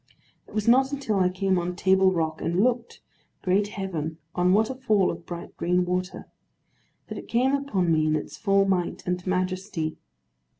It was not until I came on Table Rock, and looked—Great Heaven, on what a fall of bright green water!—that it came upon me in its full might and majesty.